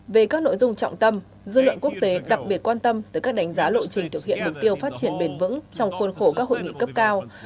về các nội dung trọng tâm dư luận quốc tế đặc biệt quan tâm tới các đánh giá lộ trình thực hiện mục tiêu phát triển bền vững trong khuôn khổ các hội nghị cấp cao